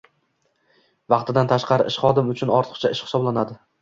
vaqtidan tashqari ish xodim uchun ortiqcha ish hisoblanadi